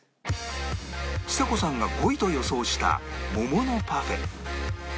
ちさ子さんが５位と予想した桃のパフェ